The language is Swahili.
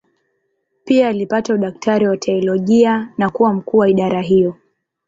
Pia alipata udaktari wa teolojia na kuwa mkuu wa idara hiyo.